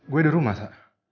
gue di rumah sa